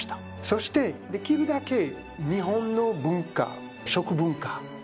そしてできるだけ日本の文化食文化伝統工芸